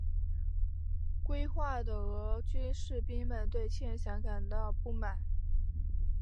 归化的俄军士兵们对欠饷感到不满。